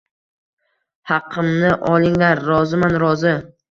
Haqimni olinglar… Roziman, rozi!